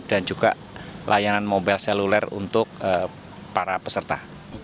dan juga layanan mobile seluler untuk para peserta